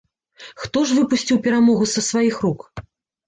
Хто ж выпусціў перамогу са сваіх рук?